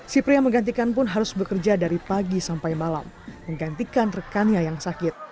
si pria yang menggantikan pun harus bekerja dari pagi sampai malam menggantikan rekannya yang sakit